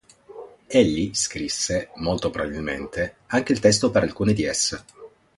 Egli scrisse, molto probabilmente, anche il testo per alcune di esse.